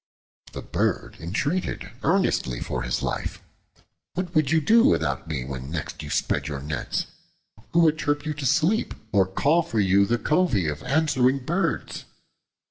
The bird entreated earnestly for his life: "What would you do without me when next you spread your nets? Who would chirp you to sleep, or call for you the covey of answering birds?"